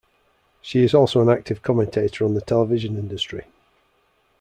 She is also an active commentator on the television industry.